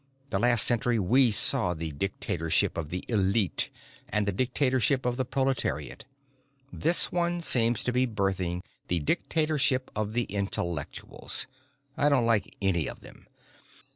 The last century saw the dictatorship of the elite and the dictatorship of the proletariat. This one seems to be birthing the dictatorship of the intellectuals. I don't like any of them!"